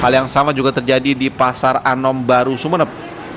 hal yang sama juga terjadi di pasar anom baru sumeneb